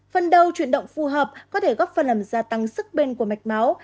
phần đầu chuyển động phù hợp có thể góp phần làm gia tăng sức bên của mạch máu